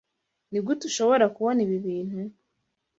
Nigute ushobora kubona ibi bintu?